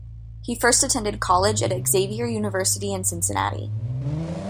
He first attended college at Xavier University in Cincinnati.